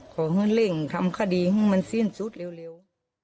ขอเร่งทำคดีขึ้นมาสิ้นสุดเร็ว